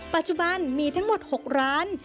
ปัจจุบันมีทั้งหมด๖ร้าน